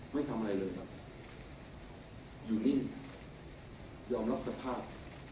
ไม่ทำอะไรเลยครับอยู่นิ่งยอมรับสภาพ